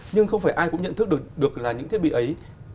nhưng không phải ai cũng nhận thức được là những thiết bị ấy